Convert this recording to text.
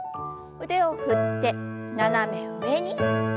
腕を振って斜め上に。